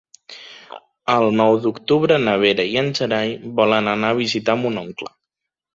El nou d'octubre na Vera i en Gerai volen anar a visitar mon oncle.